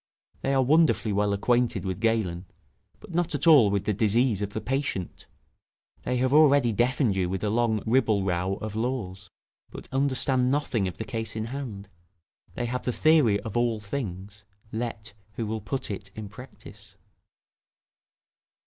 They are wonderfully well acquainted with Galen, but not at all with the disease of the patient; they have already deafened you with a long ribble row of laws, but understand nothing of the case in hand; they have the theory of all things, let who will put it in practice.